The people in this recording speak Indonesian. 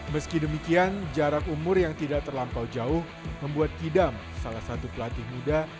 meski demikian jarak umur yang tidak terlampau jauh membuat kidam salah satu pelatih muda